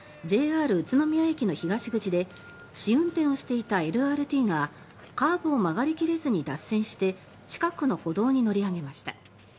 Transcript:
ＪＲ宇都宮駅の東口で試運転をしていたＬＲＴがカーブを曲がり切れずに脱線して近くの歩道に乗り上げました。